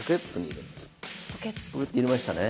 入れましたね？